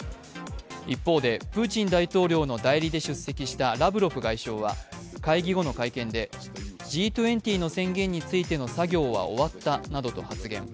一方で、プーチン大統領の代理で出席したラブロフ外相は会議後の会見で、Ｇ２０の宣言についての作業は終わったなどと発言。